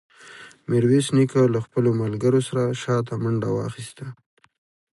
ميرويس نيکه له خپلو ملګرو سره شاته منډه واخيسته.